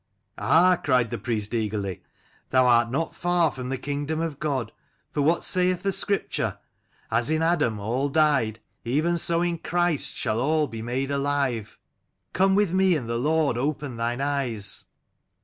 " Ah! " cried the priest eagerly, "thou art not far from the kingdom of God. For what saith the Scripture ? As in Adam all died, even so in 61 Christ shall all be made alive. Come with me, and the Lord open thine eyes."